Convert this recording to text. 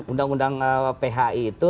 undang undang phi itu